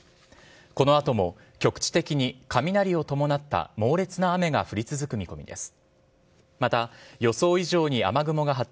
この後も局地的に雷を伴った猛烈な雨が降り続く見込みです。